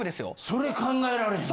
それ考えられへん。